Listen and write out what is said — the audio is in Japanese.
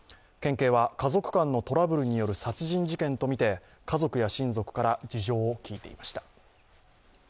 県警は家族間のトラブルによる殺人事件とみて家族や親族から事情を聴いていました。